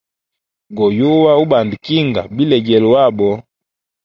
Goyuwa ubanda kinga bilegele wabo.